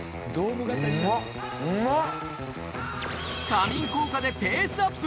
仮眠効果でペースアップ